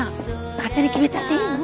勝手に決めちゃっていいの？